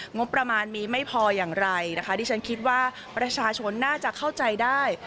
งบประมาณมีไม่พออย่างไรนะคะที่ฉันคิดว่าประชาชนน่าจะเข้าใจได้